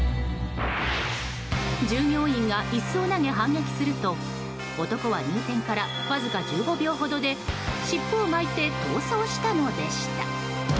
従業員が椅子を投げ反撃すると男は入店からわずか１５秒ほどで尻尾を巻いて逃走したのでした。